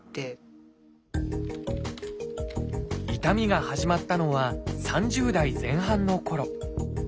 痛みが始まったのは３０代前半のころ。